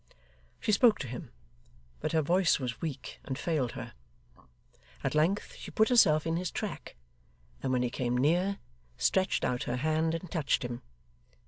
She spoke to him, but her voice was weak, and failed her. At length she put herself in his track, and when he came near, stretched out her hand and touched him.